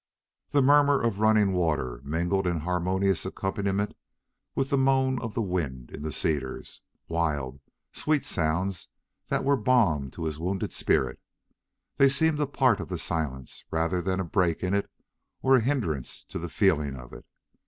The murmur of running water mingled in harmonious accompaniment with the moan of the wind in the cedars wild, sweet sounds that were balm to his wounded spirit! They seemed a part of the silence, rather than a break in it or a hindrance to the feeling of it.